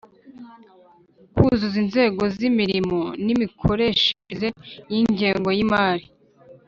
Kuzuza inzego z imirimo n imikoreshereze y ingengo y imari